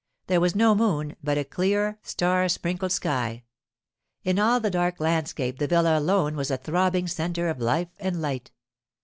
There was no moon, but a clear, star sprinkled sky. In all the dark landscape the villa alone was a throbbing centre of life and light.